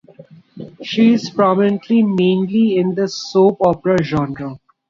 She is prominent mainly in the soap opera genre.